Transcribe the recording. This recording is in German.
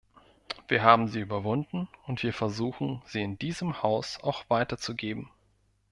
Wir haben sie überwunden, und wir versuchen, sie in diesem Haus auch weiterzugeben.